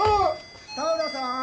田浦さん？